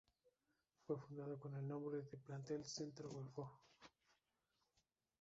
Fue fundada con el nombre de Plantel Centro-Golfo.